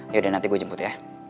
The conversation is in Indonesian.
yaudah nanti gue jemput ya